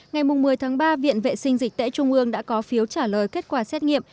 ngày một mươi tháng ba viện vệ sinh dịch tễ trung ương đã có phiếu trả lời kết quả xét nghiệm